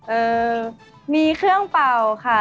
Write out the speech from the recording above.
เอ่อมีเครื่องเป่าค่ะ